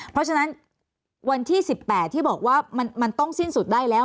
เพราะฉะนั้นวันที่๑๘ที่บอกว่ามันต้องสิ้นสุดได้แล้ว